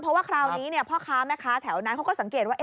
เพราะว่าคราวนี้พ่อค้าแม่ค้าแถวนั้นเขาก็สังเกตว่า